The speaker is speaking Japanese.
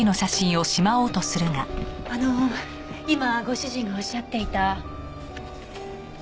あの今ご主人がおっしゃっていた。